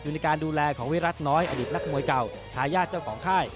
อยู่ในการดูแลของวีรัตน้อยอดีตนักมวยเก่า